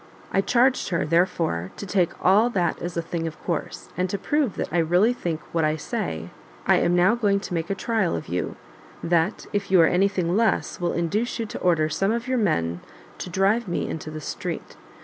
I charged her, therefore, to take all that as a thing of course; and to prove that I really think what I say, I am now going to make a trial of you, that, if you are any thing less, will induce you to order some of your men to drive me into the street.